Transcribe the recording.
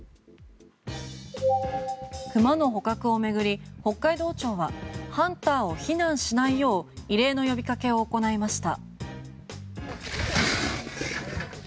クマの捕獲を巡り北海道庁はハンターを非難しないよう異例の呼びかけを行いました。